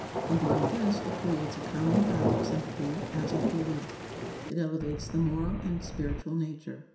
In doing this, it creates a common ground of sympathy, as of belief. It elevates the moral and spiritual nature.